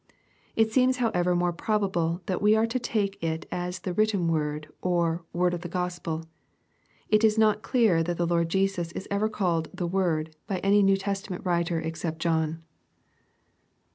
It seems how ever more probable that we are to take it as the written word, or word of the Gk)speL It is not clear that the Lord Jesus is ever called " the Woid " by any New Testament writer, except John.